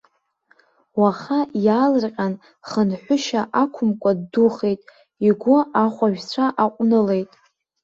Уаха иаалырҟьан хынҳәышьа ақәымкәа ддухеит, игәы ахәажәцәа аҟәнылеит.